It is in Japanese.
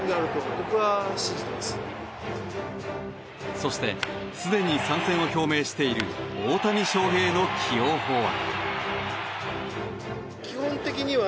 そしてすでに参戦を表明している大谷翔平の起用法は。